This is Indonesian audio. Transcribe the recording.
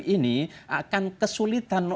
ini akan kesulitan